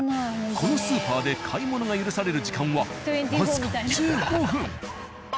このスーパーで買い物が許される時間は僅か１５分。